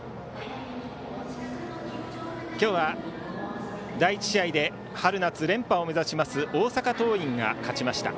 今日は第１試合で春夏連覇を目指します大阪桐蔭が勝ちました。